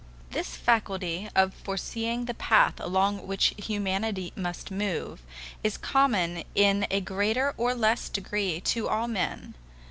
This faculty of foreseeing the path along which humanity must move, is common in a greater or less degree to all men.